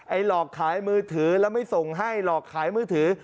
หลอกขายมือถือแล้วไม่ส่งให้หลอกขายมือถือ